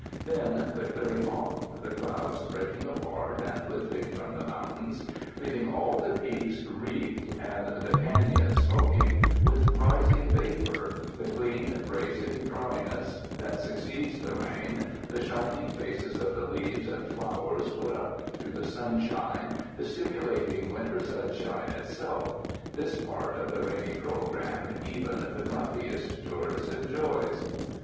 Then the clearing off, the clouds breaking apart and lifting from the mountains, leaving all the peaks wreathed and the canons smok ing with rising vapor, the clean, bracing dryness 270 CONCERNING THE CLIMATE that succeeds the rain, the shining faces of the leaves and flowers put up to the sunshine, the stimulating winter sunsliine itself— this part of the rainy pro gram even the grumpiest tourist enjoys.